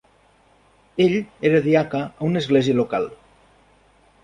Ell era diaca a una església local.